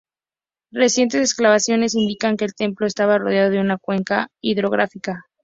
Recientes excavaciones indican que el templo estaba rodeado de una cuenca hidrográfica.